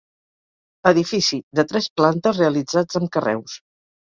Edifici de tres plantes, realitzats amb carreus.